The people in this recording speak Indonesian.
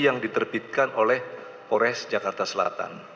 yang diterbitkan oleh polres jakarta selatan